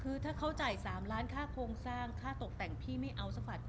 คือถ้าเขาจ่าย๓ล้านค่าโครงสร้างค่าตกแต่งพี่ไม่เอาสักฝัดคุณ